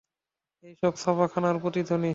এ সবই ছাপাখানার প্রতিধ্বনি।